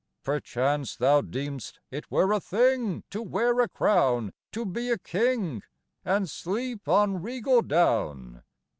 XVI. Perchance thou deem'st it were a thing To wear a crown, to be a king! And sleep on regal down!